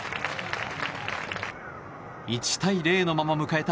１対０のまま迎えた